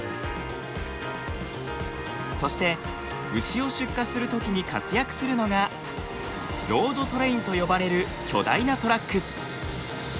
そして牛を出荷するときに活躍するのがロードトレインと呼ばれる巨大なトラック。